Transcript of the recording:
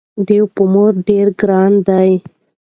ډيوه په مور ډېره ګرانه ده